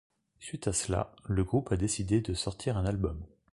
Suite à cela, le groupe a décidé de sortir un album.